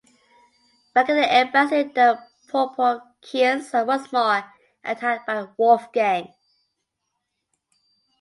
Back in their embassy the Morporkians are once more attacked by Wolfgang.